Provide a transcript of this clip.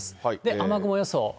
雨雲予想。